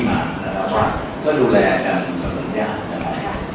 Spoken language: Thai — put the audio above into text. แต่ก็จะลงงานก็นะครับ